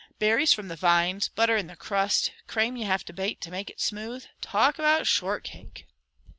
Berries from the vines, butter in the crust, crame you have to bate to make it smooth talk about shortcake!"